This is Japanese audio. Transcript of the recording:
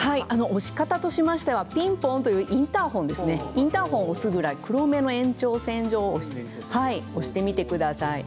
押し方はピンポンというインターホンを押すぐらい黒目の延長線上を押してみてください。